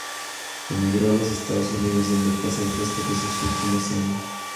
Emigró a los Estados Unidos, donde pasó el resto de sus últimos años.